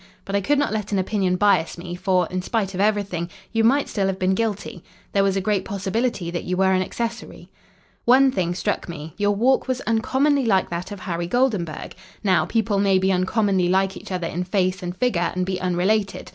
But I could not let an opinion bias me, for, in spite of everything, you might still have been guilty. There was a great possibility that you were an accessory. "One thing struck me. Your walk was uncommonly like that of Harry Goldenburg. Now, people may be uncommonly like each other in face and figure and be unrelated.